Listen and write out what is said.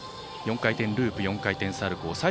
４回転ループ４回転サルコー。